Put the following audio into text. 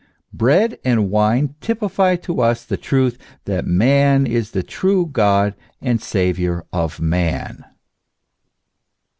Bread and wine typify to us the truth that Man is the true God and Saviour of man.